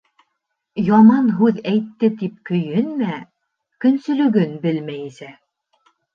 Яман һүҙ әйтте тип көйөнмә, көнсөлөгөн белмәйсә.